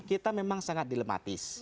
kita memang sangat dilematis